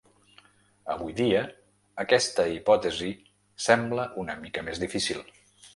Avui dia, aquesta hipòtesi sembla una mica més difícil.